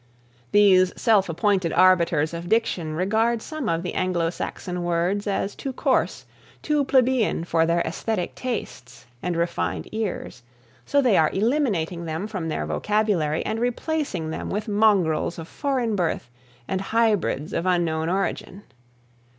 These self appointed arbiters of diction regard some of the Anglo Saxon words as too coarse, too plebeian for their aesthetic tastes and refined ears, so they are eliminating them from their vocabulary and replacing them with mongrels of foreign birth and hybrids of unknown origin.